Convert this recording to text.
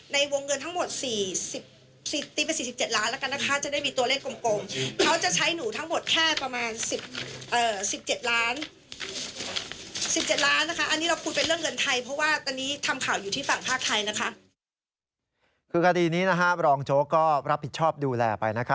ในวงเงินทั้งหมดสี่สิบสี่สิบเป็นสี่สิบเจ็ดล้านแล้วกันนะคะ